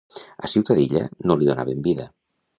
A Ciutadilla no li donaven vida.